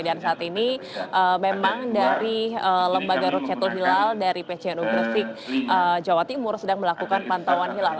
dan saat ini memang dari lembaga rukyatul hilal dari pcnu gresik jawa timur sedang melakukan pantauan hilal